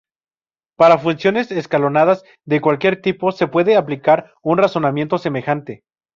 Para funciones escalonadas de cualquier tipo se puede aplicar un razonamiento semejante.